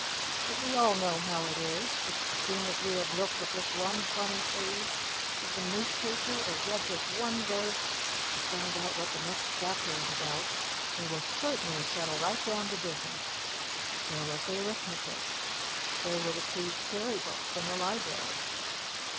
But we all know how it is, just as soon as we have looked at this one funny page of the newspaper, or read this one verse, or found out what the next chapter is about, we will certainly settle right down to business. There was the arithmetic. There were the two fairy books from the Library.